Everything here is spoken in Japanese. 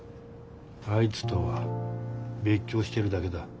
あいつとは別居してるだけだ。